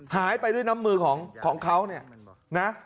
หายไปด้วยน้ำมือของเขาเนี่ยนะ